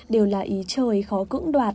đều là ý trời khó cưỡng đoạt